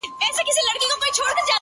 د اله زار خبري ډېري ښې دي!